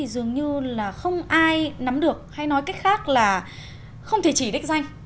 dường như là không ai nắm được hay nói cách khác là không thể chỉ đích danh